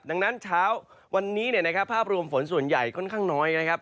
ดังนั้นเช้าวันนี้เนี่ยนะครับภาพรวมฝนส่วนใหญ่ค่อนข้างน้อยนะครับ